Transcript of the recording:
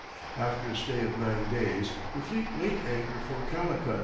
After a stay of nine days the fleet weighed anchor for Calicut.